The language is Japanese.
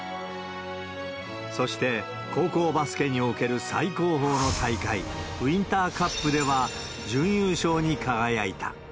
そして、高校バスケにおける最高峰の大会、ウインターカップでは準優勝に輝いた。